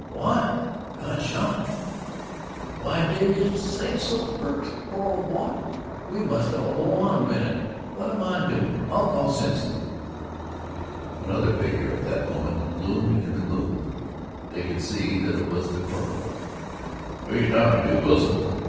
"What? Got shot? Why didn't yeh say so first? Poor ol' boy, we must hol' on a minnit; what am I doin'. I'll call Simpson." Another figure at that moment loomed in the gloom. They could see that it was the corporal. "Who yeh talkin' to, Wilson?"